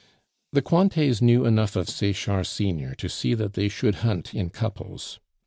The Cointets knew enough of Sechard senior to see that they should hunt in couples.